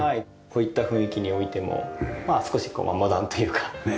こういった雰囲気においてもまあ少し和モダンというか。